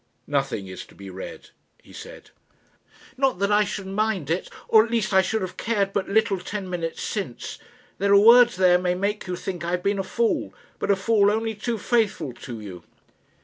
"Nothing is to be read," he said. "Not that I should mind it; or at least I should have cared but little ten minutes since. There are words there may make you think I have been a fool, but a fool only too faithful to you."